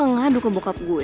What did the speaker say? ngadu ke bokap gue